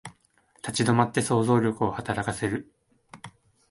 立ち止まって想像力を働かせる